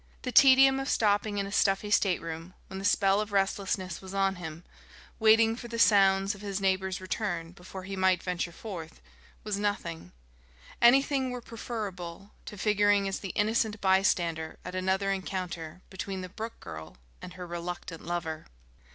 The tedium of stopping in a stuffy stateroom, when the spell of restlessness was on him, waiting for the sounds of his neighbour's return before he might venture forth, was nothing; anything were preferable to figuring as the innocent bystander at another encounter between the Brooke girl and her reluctant lover....